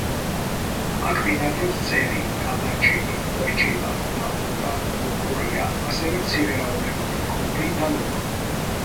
აქ ბინადრობს წერი, კაპარჭინა, ქორჭილა, ნაფოტა, ლოქორია, ასევე მცირე რაოდენობით კობრი და ლოქო.